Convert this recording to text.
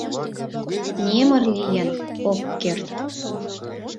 — Немыр лийын ок керт.